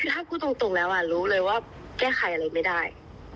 เอาจริงว่าถ้ากูตรงแล้วรู้เลยว่าแก้ไขอะไรไม่ได้